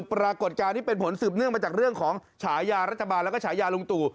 ปรากฏการณ์ที่เป็นผลสืบเนื่องมาจากเรื่องของฉายารัฐบาลแล้วก็ฉายาลุงตู่